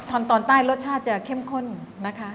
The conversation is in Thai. ตอนใต้รสชาติจะเข้มข้นนะคะ